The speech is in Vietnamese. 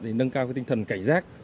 để nâng cao tinh thần cảnh giác